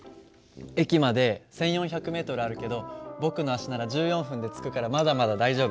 駅まで１，４００ｍあるけど僕の足なら１４分で着くからまだまだ大丈夫。